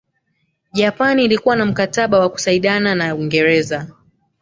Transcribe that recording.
Japani ilikuwa na mkataba wa kusaidana na Uingreza